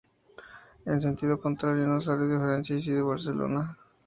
En sentido contrario no sale de Francia y sí de Barcelona.